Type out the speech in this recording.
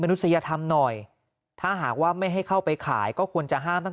นุษยธรรมหน่อยถ้าหากว่าไม่ให้เข้าไปขายก็ควรจะห้ามตั้ง